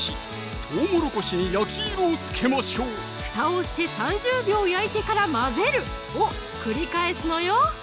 とうもろこしに焼き色をつけましょうふたをして３０秒焼いてから混ぜる！を繰り返すのよ